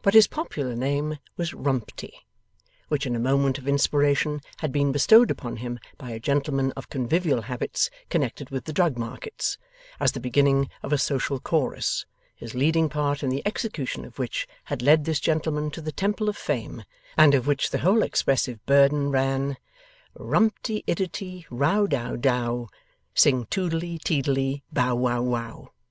But, his popular name was Rumty, which in a moment of inspiration had been bestowed upon him by a gentleman of convivial habits connected with the drug markets, as the beginning of a social chorus, his leading part in the execution of which had led this gentleman to the Temple of Fame, and of which the whole expressive burden ran: 'Rumty iddity, row dow dow, Sing toodlely, teedlely, bow wow wow.